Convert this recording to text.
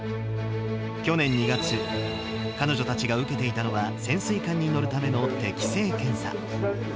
去年２月、彼女たちが受けていたのは、潜水艦に乗るための適性検査。